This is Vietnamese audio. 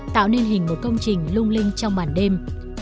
tạo nên hình một công trình lung linh trong màn đêm